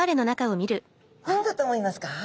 何だと思いますか？